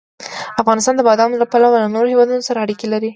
افغانستان د بادامو له پلوه له نورو هېوادونو سره اړیکې لري.